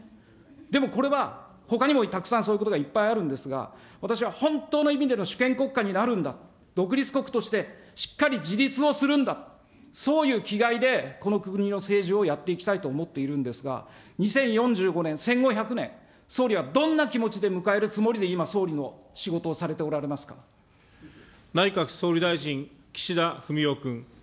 でもこれは、ほかにもたくさんそういうことがいっぱいあるんですが、私は本当の意味での主権国家になるんだと、独立国としてしっかり自立をするんだ、そういう気概で、この国の政治をやっていきたいと思っているんですが、２０４５年、戦後１００年、総理はどんな気持ちで迎えるつもりで今、内閣総理大臣、岸田文雄君。